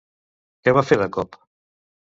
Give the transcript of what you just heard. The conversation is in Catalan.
Què va fer de cop?